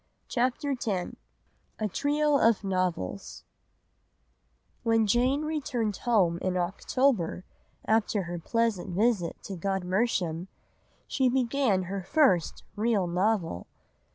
CHAPTER X A TRIO OF NOVELS When Jane returned home in October, after her pleasant visit to Godmersham, she began her first real novel.